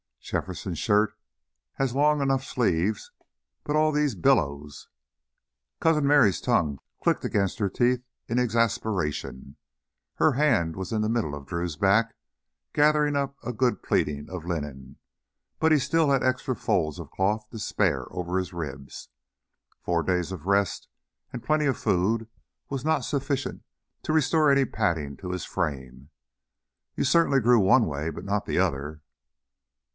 "Jefferson's shirt has long enough sleeves, but all these billows!" Cousin Merry's tongue clicked against her teeth in exasperation. Her hand was in the middle of Drew's back, gathering up a good pleating of linen, but he still had extra folds of cloth to spare over his ribs. Four days of rest and plenty of food was not sufficient to restore any padding to his frame. "You certainly grew one way, but not the other!"